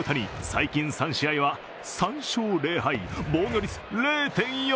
最近３試合は３勝０敗、防御率０．４３。